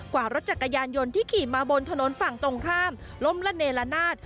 กว่ารถจักรยานยนต์ที่ขี่มาบนถนนฝั่งตรงข้ามล้มละเนละนาด